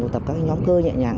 tập các cái nhóm cơ nhẹ nhàng